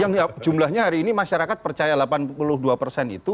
yang jumlahnya hari ini masyarakat percaya delapan puluh dua persen itu